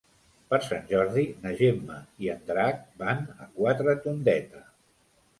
Per Sant Jordi na Gemma i en Drac van a Quatretondeta.